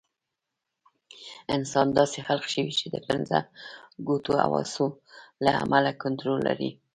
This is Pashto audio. انسان داسې خلق شوی چې د پنځه ګونو حواسو له امله کنټرول لري.